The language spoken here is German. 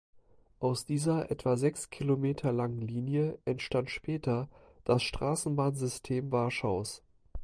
Aus dieser etwa sechs Kilometer langen Linie entstand später das Straßenbahnsystem Warschaus.